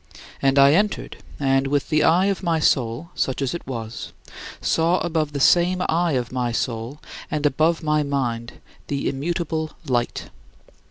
And I entered, and with the eye of my soul such as it was saw above the same eye of my soul and above my mind the Immutable Light.